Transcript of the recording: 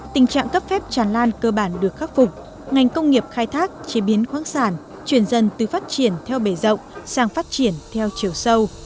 tình trạng cấp phép tràn lan cơ bản được khắc phục ngành công nghiệp khai thác chế biến khoáng sản chuyển dần từ phát triển theo bề rộng sang phát triển theo chiều sâu